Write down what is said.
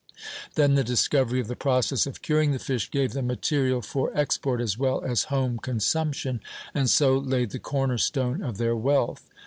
Then the discovery of the process of curing the fish gave them material for export as well as home consumption, and so laid the corner stone of their wealth.